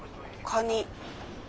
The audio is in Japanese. カニ。